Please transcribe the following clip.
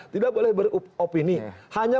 tidak boleh beropini hanya